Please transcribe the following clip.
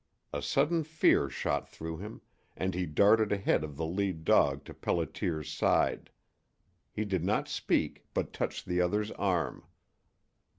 A sudden fear shot through him, and he darted ahead of the lead dog to Pelliter's side. He did not speak, but touched the other's arm.